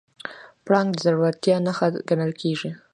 پړانګ د زړورتیا نښه ګڼل کېږي.